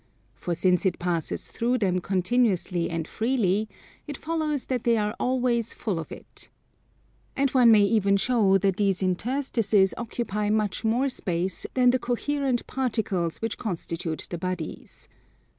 For since it passes through them continuously and freely, it follows that they are always full of it. And one may even show that these interstices occupy much more space than the coherent particles which constitute the bodies.